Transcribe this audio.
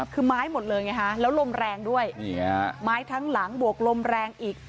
คือไม้หมดเลยไงฮะแล้วลมแรงด้วยไม้ทั้งหลังบวกลมแรงอีก